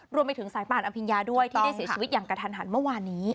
รวมไปถึงสายป่านอภิญญาด้วยที่ได้เสียชีวิตอย่างกระทันหันเมื่อวานนี้